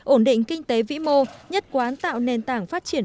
ổn định kinh tế vĩ mô nhất quán tạo nền tảng phát triển